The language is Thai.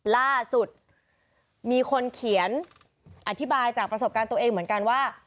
ล่าสุดมีคนเขียนอธิบายจากประสบการณ์ตัวเองเหมือนกันว่า